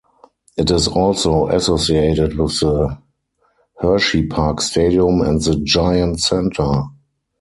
It is also associated with the Hersheypark Stadium and the Giant Center.